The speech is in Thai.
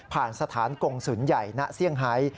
ผ่านสถานกรงศูนย์ใหญ่หน้าเซียงไฮ